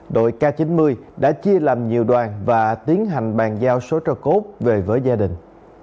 đội k chín mươi đã chia làm nhiều đoàn và tiến hành bàn giao số cho cốt về với gia đình